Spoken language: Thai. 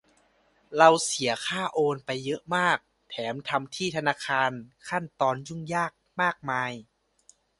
เราเสียค่าโอนไปเยอะมาก แถมทำที่ธนาคารขั้นตอนยุ่งยากมากมาย